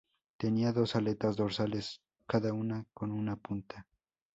Tenía dos aletas dorsales, cada una con una punta.